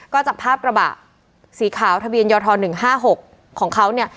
ก็จับภาพกระบะสีขาวทะเบียนยท๑๕๖ของเขาเนี่ย